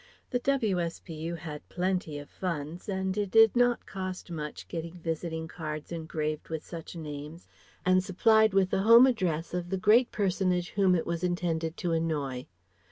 The W.S.P.U. had plenty of funds and it did not cost much getting visiting cards engraved with such names and supplied with the home address of the great personage whom it was intended to annoy.